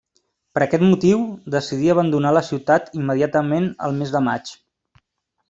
Per aquest motiu decidí abandonar la ciutat immediatament el mes de maig.